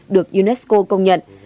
được unesco công nhận